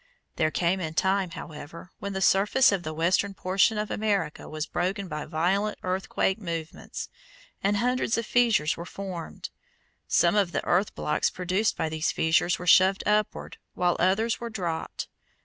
There came a time, however, when the surface of the western portion of America was broken by violent earthquake movements, and hundreds of fissures were formed. Some of the earth blocks produced by these fissures were shoved upward, while others were dropped.